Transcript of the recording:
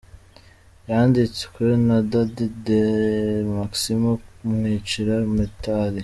Yanditswe na Dady De Maximo Mwicira-Mitali